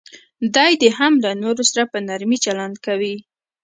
دی دې هم له نورو سره په نرمي چلند کوي.